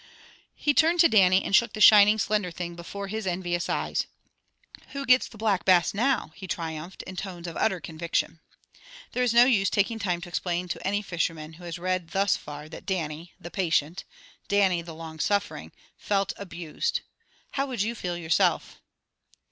He turned to Dannie and shook the shining, slender thing before his envious eyes. "Who gets the Black Bass now?" he triumphed in tones of utter conviction. There is no use in taking time to explain to any fisherman who has read thus far that Dannie, the patient; Dannie, the long suffering, felt abused. How would you feel yourself?